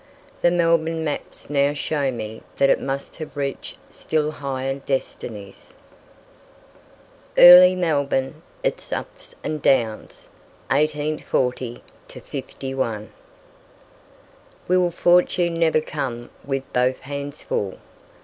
The Melbourne maps now show me that it must have reached still higher destinies. EARLY MELBOURNE, ITS UPS AND DOWNS 1840 51. "Will Fortune never come with both hands full?"